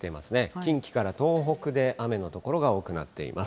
近畿から東北で雨の所が多くなっています。